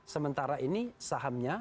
sementara ini sahamnya